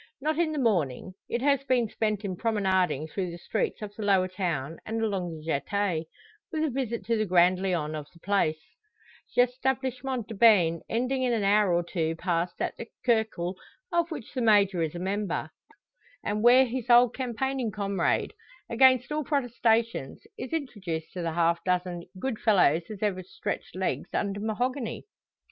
Not in the morning. It has been spent in promenading through the streets of the lower town and along the jetee, with a visit to the grand lion of the place, l'Establissement de Bains, ending in an hour or two passed at the "cercle" of which the Major is a member, and where his old campaigning comrade, against all protestations, is introduced to the half dozen "good fellows as ever stretched legs under mahogany."